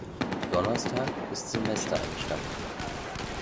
Donnerstag ist Semestereinstand.